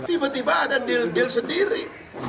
tiba tiba ada deal deal sendiri